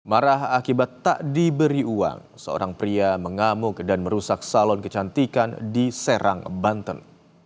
marah akibat tak diberi uang seorang pria mengamuk dan merusak salon kecantikan di serang banten